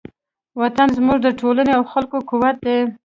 وطن زموږ د ټولنې او خلکو قوت دی.